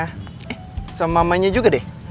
eh sama mamanya juga deh